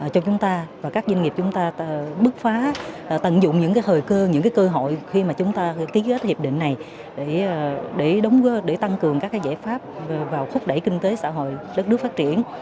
chúng ta và các doanh nghiệp chúng ta bước phá tận dụng những thời cơ những cơ hội khi mà chúng ta ký kết hiệp định này để tăng cường các giải pháp vào thúc đẩy kinh tế xã hội đất nước phát triển